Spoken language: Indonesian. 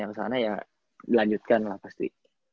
yang sana ya dilanjutkan lah pasti